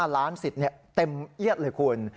ล้านสิทธิ์เต็มเอียดเลยคุณ